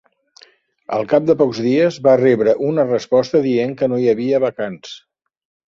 Al cap de pocs dies va rebre una resposta dient que no hi havia vacants.